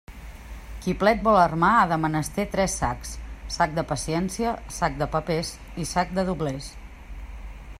Qui plet vol armar ha de menester tres sacs; sac de paciència, sac de papers i sac de doblers.